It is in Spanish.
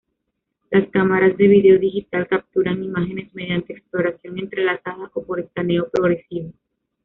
Las cámaras de vídeo digital capturan imágenes mediante exploración entrelazada o por escaneo progresivo.